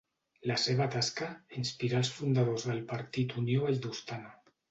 La seva tasca inspirà als fundadors del partit Unió Valldostana.